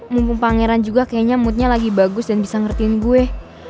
mumpung pangeran juga kayaknya moodnya lagi bagus dan bisa ngertiin gue